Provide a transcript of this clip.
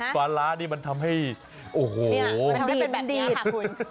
ปลาร้านี่มันทำให้โอ้โหมันทำได้เป็นแบบนี้ค่ะคุณ